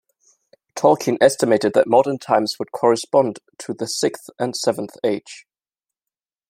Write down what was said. Tolkien estimated that modern times would correspond to the sixth or seventh age.